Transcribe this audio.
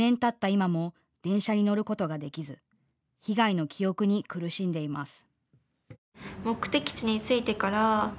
今も電車に乗ることができず被害の記憶に苦しんでいます。